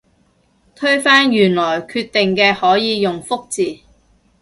推翻原來決定嘅可以用覆字